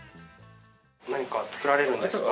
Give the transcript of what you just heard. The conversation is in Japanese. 何か作られるんですか？